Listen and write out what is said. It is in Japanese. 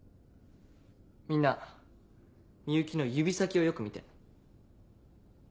みんな美雪の指先をよく見て。